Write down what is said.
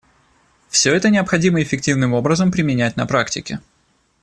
Все это необходимо эффективным образом применять на практике.